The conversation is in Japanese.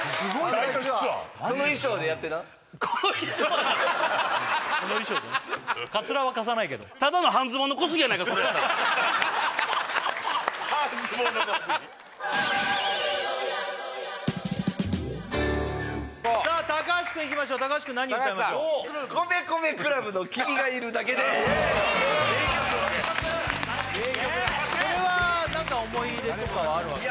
大好きこれは何か思い入れとかはあるわけですか？